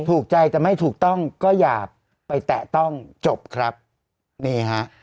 ถูกใจแต่ไม่ถูกต้องก็อย่าไปแตะต้องจบครับนี่ฮะ